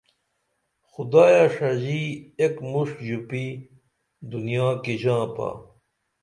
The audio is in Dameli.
خُدایہ ݜژی ایک مُݜٹھ ژوپی دنیا کی ژانپا